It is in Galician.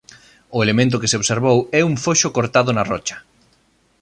O elemento que se observou é un foxo cortado na rocha..